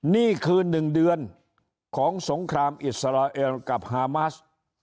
นี่คือ๑เดือนของสงครามอิสราเอลกับฮามาส